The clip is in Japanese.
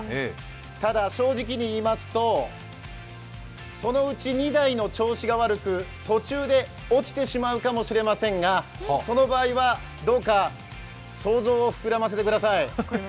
ただ正直に言いますとそのうち２台の調子が悪く途中で落ちてしまうかもしれませんが、その場合は、どうか想像を膨らませてください。